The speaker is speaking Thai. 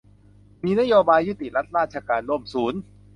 มีนโยบายยุติรัฐราชการร่วมศูนย์